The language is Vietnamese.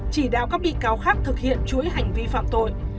chỉ đạo các bị cáo khác thực hiện chuỗi hành vi phạm tội